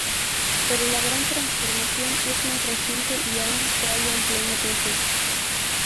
Pero la gran transformación es más reciente y aún se halla en pleno proceso.